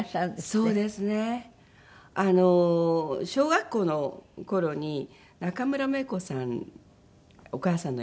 そうですね。小学校の頃に中村メイコさんお母さんの役で。